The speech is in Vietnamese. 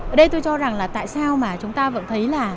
ở đây tôi cho rằng là tại sao mà chúng ta vẫn thấy là